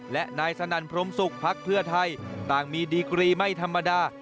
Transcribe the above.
และนายสนั่นพรมศุกร์พักเพื่อไทยต่างมีดีกรีไม่ธรรมดา